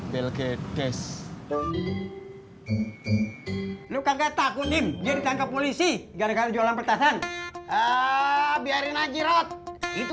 belkes lu kaget aku nim jirka ke polisi gara gara jualan petasan biarin aja rot itu